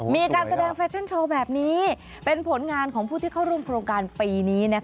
มีการแสดงแฟชั่นโชว์แบบนี้เป็นผลงานของผู้ที่เข้าร่วมโครงการปีนี้